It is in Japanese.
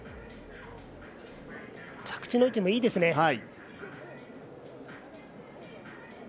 着地の位置もいいですね。